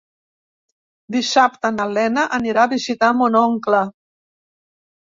Dissabte na Lena anirà a visitar mon oncle.